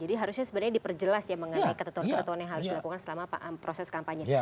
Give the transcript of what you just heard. harusnya sebenarnya diperjelas ya mengenai ketentuan ketentuan yang harus dilakukan selama proses kampanye